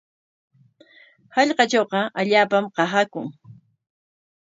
Hallqatrawqa allaapam qasaakun.